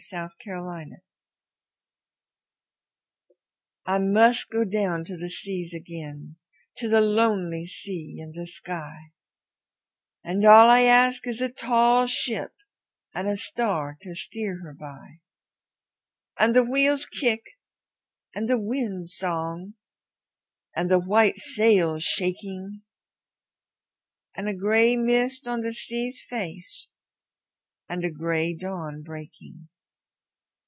Y Z Sea Fever I MUST down to the seas again, to the lonely sea and the sky, And all I ask is a tall ship and a star to steer her by, And the wheel's kick and the wind's song and the white sail's shaking, And a gray mist on the sea's face, and a gray dawn breaking.